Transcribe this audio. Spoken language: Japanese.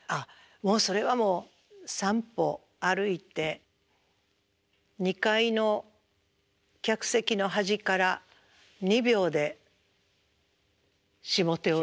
もうそれは３歩歩いて２階の客席の端から２秒で下手を見る。